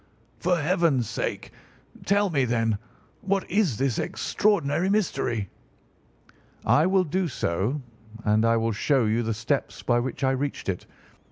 "For Heaven's sake, tell me, then, what is this extraordinary mystery!" "I will do so, and I will show you the steps by which I reached it.